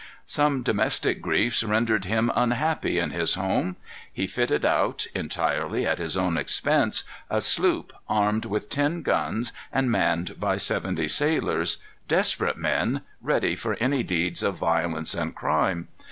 Some domestic griefs rendered him unhappy in his home. He fitted out, entirely at his own expense, a sloop armed with ten guns, and manned by seventy sailors, desperate men, ready for any deeds of violence and crime.